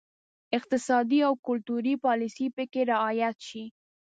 اقتصادي او کلتوري پالیسي پکې رعایت شي.